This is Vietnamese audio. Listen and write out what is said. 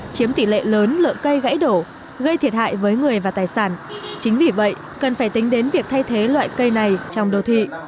chiếm tỷ lệ lớn lượng cây gãy đổ gây thiệt hại với người và tài sản chính vì vậy cần phải tính đến việc thay thế loại cây này trong đô thị